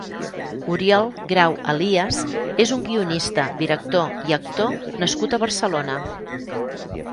Oriol Grau Elías és un guionista, director i actor nascut a Barcelona.